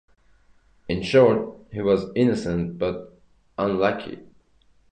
In short, he was innocent but unlucky.